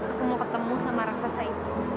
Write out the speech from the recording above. aku mau ketemu sama raksasa itu